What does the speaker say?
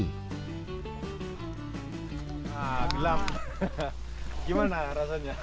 nah gelap gimana rasanya